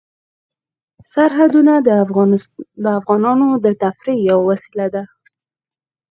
سرحدونه د افغانانو د تفریح یوه وسیله ده.